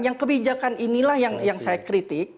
yang kebijakan inilah yang saya kritik